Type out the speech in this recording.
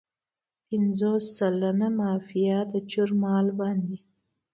پنځوس سلنه مافیا د چور مال باندې.